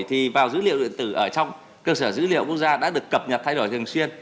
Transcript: thì vào dữ liệu điện tử ở trong cơ sở dữ liệu quốc gia đã được cập nhật thay đổi thường xuyên